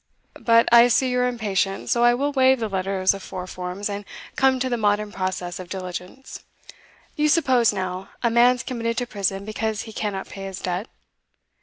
But I see you're impatient; so I will waive the letters of four forms, and come to the modern process of diligence. You suppose, now, a man's committed to prison because he cannot pay his debt?